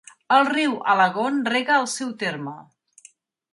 El riu Alagón rega el seu terme.